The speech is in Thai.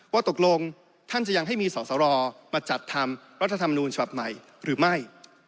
ว่าตกลงท่านจะยังให้มีสอสรมาจัดทำรัฐธรรมนูญฉบับใหม่หรือไม่